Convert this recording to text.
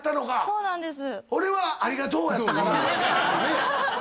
そうなんですよ。